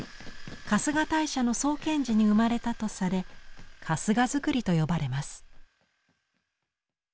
春日大社の創建時に生まれたとされ「春日造」と呼ばれます。